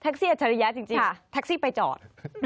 เสียอัจฉริยะจริงแท็กซี่ไปจอด